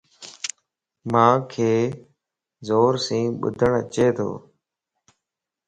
مانک زورسين ٻڌن اچيتو